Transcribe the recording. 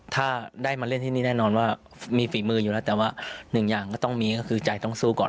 ถ้าได้มาเล่นที่นี่แน่นอนว่ามีฝีมืออยู่แล้วแต่ว่าหนึ่งอย่างก็ต้องมีก็คือใจต้องสู้ก่อน